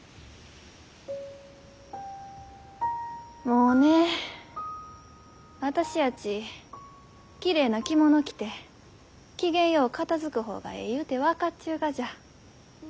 もうね私やちきれいな着物着て機嫌よう片づく方がえいゆうて分かっちゅうがじゃ。